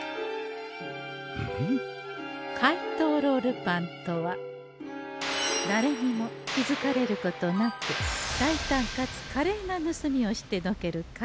「怪盗ロールパン」とは誰にも気づかれることなく大胆かつ華麗な盗みをしてのける怪盗ルパン。